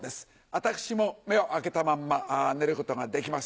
私も目を開けたまんま寝ることができます。